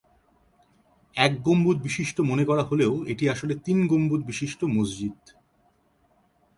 এক গম্বুজ বিশিষ্ট মনে করা হলেও এটি আসলে তিন গম্বুজ বিশিষ্ট মসজিদ।